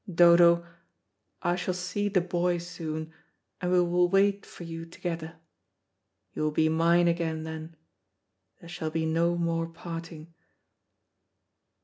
Dodo, I shall see the boy soon, and we will wait for you together. You will be mine again then. There shall be no more parting."